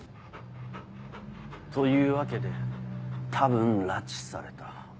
というわけで多分拉致された。